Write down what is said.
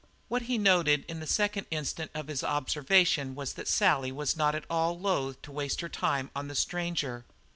What he noted in the second instant of his observation was that Sally was not at all loath to waste her time on the stranger.